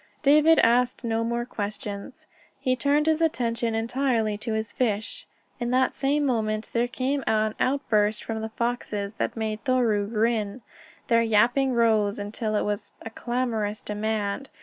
David asked no more questions. He turned his attention entirely to his fish. In that same moment there came an outburst from the foxes that made Thoreau grin. Their yapping rose until it was a clamorous demand.